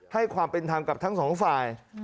ให้ความเป็นทางกับทั้ง๒ฝ่าย